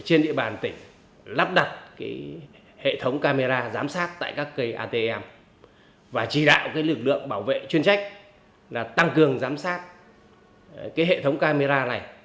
trên địa bàn tỉnh lắp đặt hệ thống camera giám sát tại các cây atm và chỉ đạo lực lượng bảo vệ chuyên trách là tăng cường giám sát hệ thống camera này